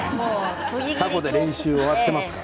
たこで練習、終わってますから。